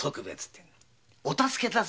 「お助け」だぜ。